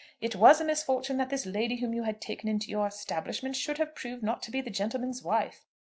It was a misfortune that this lady whom you had taken into your establishment should have proved not to be the gentleman's wife.